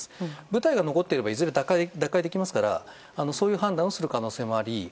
部隊が残っていればいずれ奪還できますからそういう判断をする可能性もあり